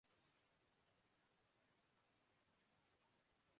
اوروہ رہیں گے۔